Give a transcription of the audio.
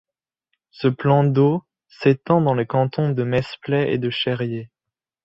Ce plan d’eau s’étend dans les cantons de Mesplet et de Cherrier.